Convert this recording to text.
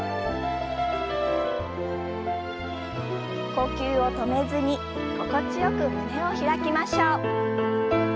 呼吸を止めずに心地よく胸を開きましょう。